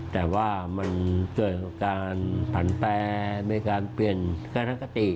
แต่ว่ามันเกิดการผันแปรมีการเปลี่ยนทัศนคติ